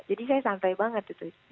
jadi saya santai banget gitu